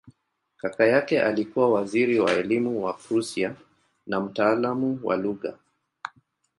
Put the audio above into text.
Kaka yake alikuwa waziri wa elimu wa Prussia na mtaalamu wa lugha.